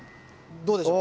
どうでしょう？